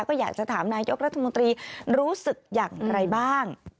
ก็อยากจะถามนายกรัฐมนตรีรู้สึกอย่างไรบ้าง